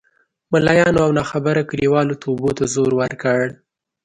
ملایانو او ناخبره کلیوالو توبو ته زور ورکړ.